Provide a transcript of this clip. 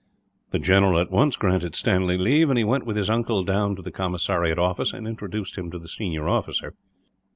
The general at once granted Stanley leave, and he went with his uncle down to the commissariat office, and introduced him to the senior officer.